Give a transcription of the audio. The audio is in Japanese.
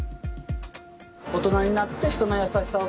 大人になって人の優しさを。